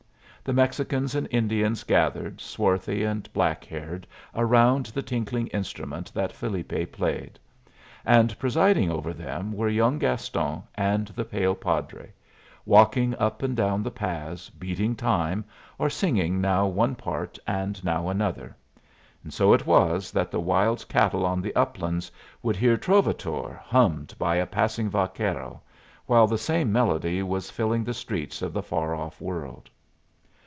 The Mexicans and Indians gathered, swarthy and black haired, around the tinkling instrument that Felipe played; and presiding over them were young Gaston and the pale padre, walking up and down the paths, beating time, or singing now one part and now another. And so it was that the wild cattle on the uplands would hear "Trovatore" hummed by a passing vaquero, while the same melody was filling the streets of the far off world.